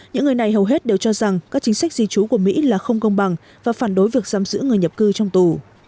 những người này hầu hết đều cho rằng các chính sách di trú của mỹ là không công bằng và phản đối việc giam giữ người nhập cư trong tù